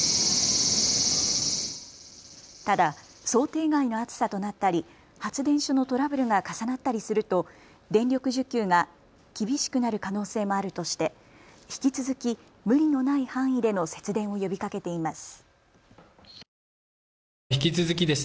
ただ想定外の暑さとなったり発電所のトラブルが重なったりすると電力需給が厳しくなる可能性もあるとして引き続き無理のない範囲での節電を呼びかけています。